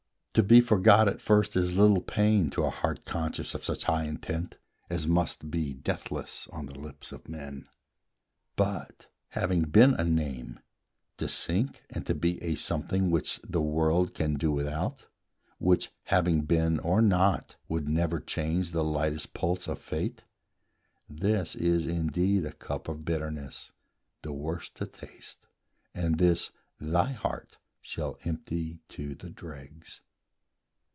To be forgot at first is little pain To a heart conscious of such high intent As must be deathless on the lips of men; But, having been a name, to sink and be A something which the world can do without, Which, having been or not, would never change The lightest pulse of fate, this is indeed A cup of bitterness the worst to taste, And this thy heart shall empty to the dregs.